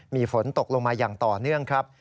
มีฝนตกลงมาอย่างต่อเนื่องครับ